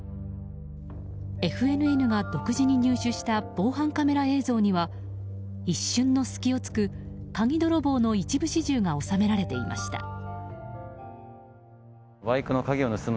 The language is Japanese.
ＦＮＮが独自に入手した防犯カメラ映像には一瞬の隙を突く鍵泥棒の一部始終が収められていました。